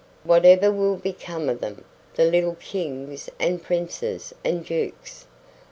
"Whatever will become of them the little kings and princes and dukes?"